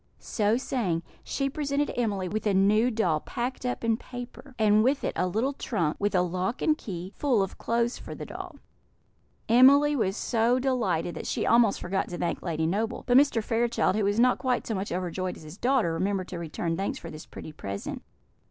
So saying, she presented Emily with a new doll packed up in paper, and with it a little trunk, with a lock and key, full of clothes for the doll. Emily was so delighted that she almost forgot to thank Lady Noble; but Mr. Fairchild, who was not quite so much overjoyed as his daughter, remembered to return thanks for this pretty present.